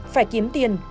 phải kiếm tiền